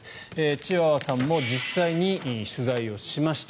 チワワさんも実際に取材しました。